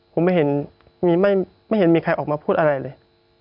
ผมไม่เห็นไม่เห็นมีใครออกมาพูดอะไรเลย